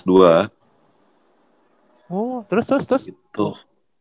oh terus terus terus